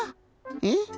えっ？